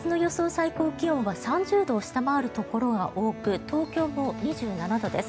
最高気温は３０度を下回るところが多く東京も２７度です。